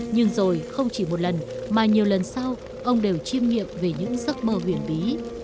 nhưng rồi không chỉ một lần mà nhiều lần sau ông đều chiêm nghiệm về những giấc mơ huyền bí